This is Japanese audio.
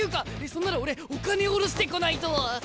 そんなら俺お金下ろしてこないと！